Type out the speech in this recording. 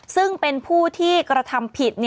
ซึ่งเป็นผู้ที่กระทำผิด